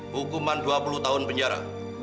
hukuman dua puluh tahun penjara